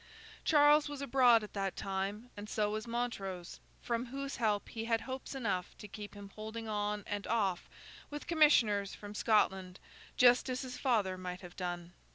Charles was abroad at that time, and so was Montrose, from whose help he had hopes enough to keep him holding on and off with commissioners from Scotland, just as his father might have done.